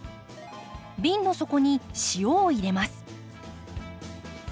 瓶の底に塩を入れます。